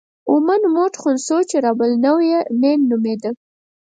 امون موټ خونسو چې رب النوع یې مېن نومېده.